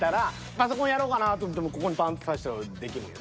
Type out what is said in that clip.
パソコンやろうかなと思ってもここにパンッてさしたらできるんやで。